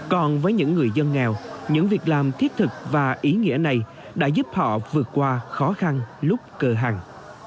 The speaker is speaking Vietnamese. còn với những người dân nghèo những việc làm thiết thực và ý nghĩa này đã giúp họ vượt qua khó khăn lúc cơ hàng